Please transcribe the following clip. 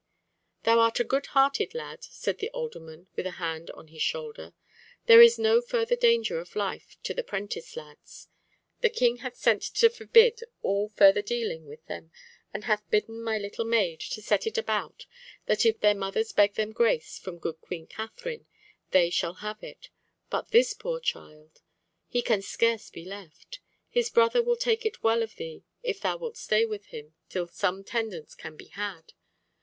"Thou art a good hearted lad," said the alderman with a hand on his shoulder. "There is no further danger of life to the prentice lads. The King hath sent to forbid all further dealing with them, and hath bidden my little maid to set it about that if their mothers beg them grace from good Queen Katherine, they shall have it. But this poor child! He can scarce be left. His brother will take it well of thee if thou wilt stay with him till some tendance can be had.